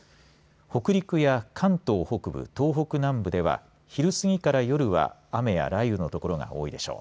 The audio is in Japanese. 北陸や関東北部、東北南部では昼すぎから夜は雨や雷雨の所が多いでしょう。